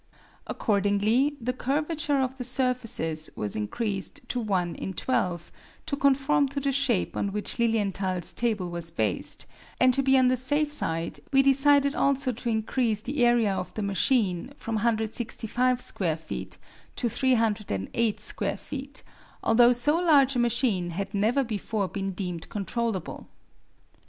Accordingly, the curvature of the surfaces was increased to one in 12, to conform to the shape on which Lilienthal's table was based, and to be on the safe side we decided also to increase the area of the machine from 165 square feet to 308 square feet, although so large a machine had never before been deemed controllable.